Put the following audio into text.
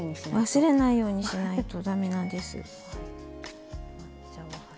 忘れないようにしないと駄目なんです。